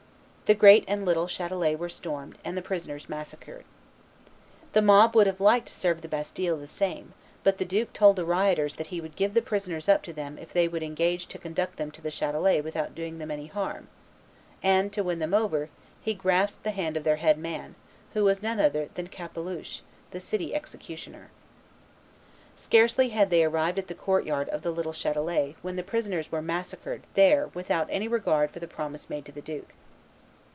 The great and little Chatelet were stormed, and the prisoners massacred. The mob would have liked to serve the Bastille the same; but the duke told the rioters that he would give the prisoners up to them if they would engage to conduct them to the Chatelet without doing them any harm, and, to win them over, he grasped the hand of their head man, who was no other than Capeluche, the city executioner. Scarcely had they arrived at the court yard of the little Chatelet when the prisoners were massacred there without any regard for the promise made to the duke.